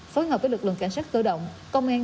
phối hợp với lực lượng cảnh sát cơ động công an